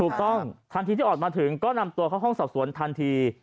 ทันทีที่ออกมาถึงก็นำตัวเข้าห้องสอบสวนทันที